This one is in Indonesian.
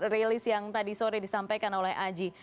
rilis yang tadi sore disampaikan oleh aji